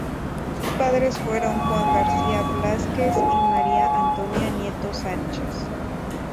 Sus padres fueron Juan García Blázquez y María Antonia Nieto Sánchez.